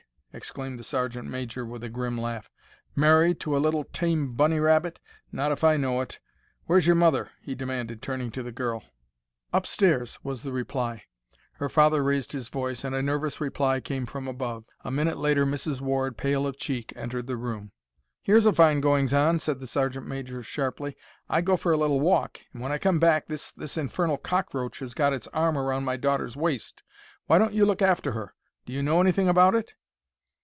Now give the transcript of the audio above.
exclaimed the sergeant major, with a grim laugh. "Married to a little tame bunny rabbit! Not if I know it. Where's your mother?" he demanded, turning to the girl. "Upstairs," was the reply. Her father raised his voice, and a nervous reply came from above. A minute later Mrs. Ward, pale of cheek, entered the room. "Here's fine goings on!" said the sergeant major, sharply. "I go for a little walk, and when I come back this—this infernal cockroach has got its arm round my daughter's waist. Why don't you look after her? Do you know anything about it?"